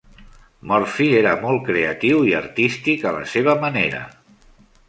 Murphy era molt creatiu i artístic a la seva manera.